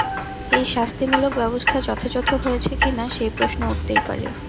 এই শাস্তিমূলক ব্যবস্থা যথাযথ হয়েছে কি না, সেই প্রশ্ন উঠতেই পারে।